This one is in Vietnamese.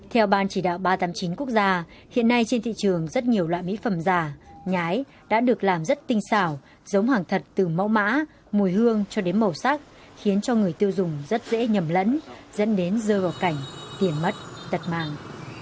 theo ban chỉ đạo ba trăm tám mươi chín quốc gia hiện nay trên thị trường rất nhiều loại mỹ phẩm giả nhái đã được làm rất tinh xảo giống hàng thật từ mẫu mã mùi hương cho đến màu sắc khiến cho người tiêu dùng rất dễ nhầm lẫn dẫn đến rơi vào cảnh tiền mất tật màng